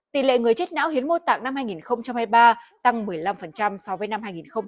tỷ lệ người chết não hiến mô tạng năm hai nghìn hai mươi ba tăng một mươi năm so với năm hai nghìn hai mươi hai